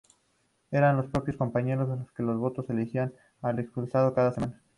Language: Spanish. Eran los propios compañeros los que con sus votos elegían al expulsado cada semana.